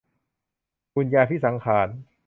บุญญาภิสังขาร